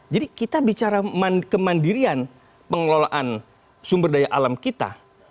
jadi kita bicara kemandirian pengelolaan sumber daya alam kita